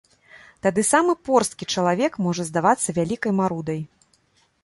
Тады самы порсткі чалавек можа здавацца вялікай марудай.